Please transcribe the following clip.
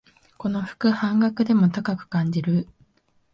この服、半額でも高く感じる